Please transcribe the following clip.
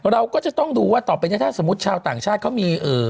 เราก็จะต้องดูว่าต่อไปเนี่ยถ้าสมมุติชาวต่างชาติเขามี